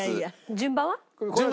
順番は？